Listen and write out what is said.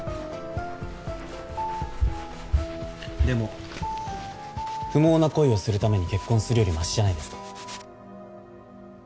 でも不毛な恋をするために結婚するよりマシじゃないですか